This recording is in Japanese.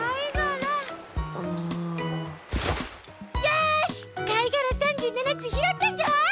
よしかいがら３７つひろったぞ！